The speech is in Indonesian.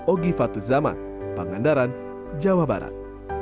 ogiva tuzama pangandaran jawa barat